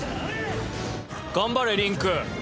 頑張れリンク。